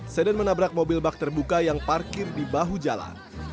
sedan menabrak mobil bak terbuka yang parkir di bahu jalan